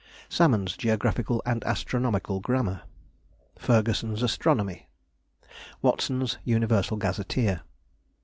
Salmon's Geographical and Astronomical Grammar. Ferguson's Astronomy. Watson's Universal Gazetteer.